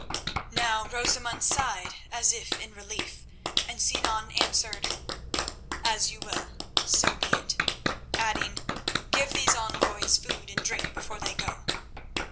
Now Rosamund sighed as if in relief, and Sinan answered: "As you will; so be it," adding, "Give these envoys food and drink before they go."